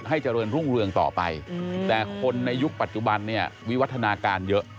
เจริญรุ่งเรืองต่อไปแต่คนในยุคปัจจุบันเนี่ยวิวัฒนาการเยอะ